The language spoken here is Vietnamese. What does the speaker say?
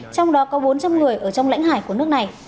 trong đó có bốn trăm linh người ở trong lãnh hải của nước này